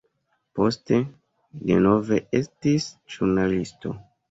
Poste li denove estis ĵurnalisto.